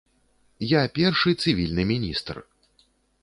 Я першы цывільны міністр.